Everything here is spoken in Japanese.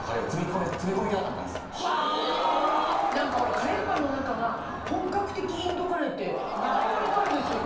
カレーパンの中が本格的インドカレーってあんまりないですよね。